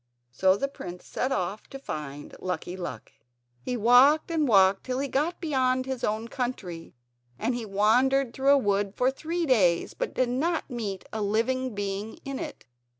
So the prince set off to try to find Lucky Luck. He walked and walked till he got beyond his own country, and he wandered through a wood for three days but did not meet a living being in it.